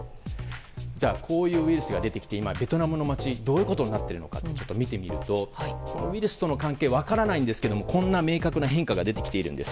じゃあ、こういうウイルスが出てきてベトナムの街はどうなっているか見てみると、ウイルスとの関係は分からないんですがこんな明確な変化が出てきています。